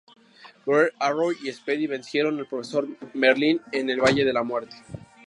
Green Arrow y Speedy vencieron al Profesor Merlín en el Valle de la Muerte.